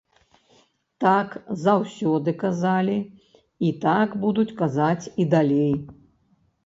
Так заўсёды казалі, і так будуць казаць і далей.